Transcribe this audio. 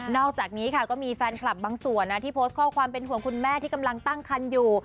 อกจากนี้ค่ะก็มีแฟนคลับบางส่วนที่โพสต์ข้อความเป็นห่วงคุณแม่ที่กำลังตั้งคันอยู่